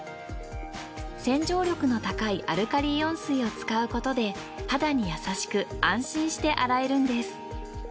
洗浄力の高いアルカリイオン水を使うことで肌に優しく安心して洗えるんです。